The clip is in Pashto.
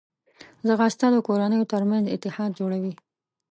ځغاسته د کورنیو ترمنځ اتحاد جوړوي